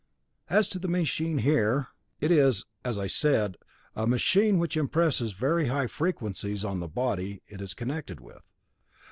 "As to the machine here it is, as I said, a machine which impresses very high frequencies on the body it is connected with.